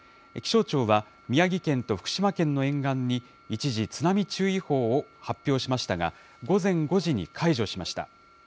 気象庁は、宮城県と福島県の沿岸に一時、津波注意報を発表しましたが、午前５時に解除しました。